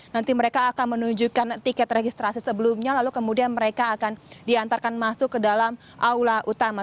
nanti mereka akan menunjukkan tiket registrasi sebelumnya lalu kemudian mereka akan diantarkan masuk ke dalam aula utama